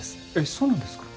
そうなんですか？